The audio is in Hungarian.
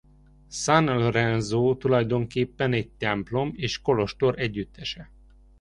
San Lorenzo tulajdonképpen egy templom és kolostor együttese.